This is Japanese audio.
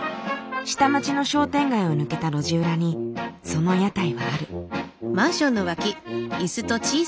下町の商店街を抜けた路地裏にその屋台はある。